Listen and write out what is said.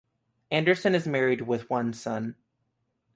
Anderson is married with one son.